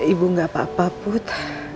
ibu gak apa apa put